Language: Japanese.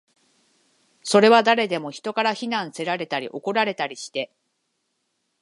それは誰でも、人から非難せられたり、怒られたりして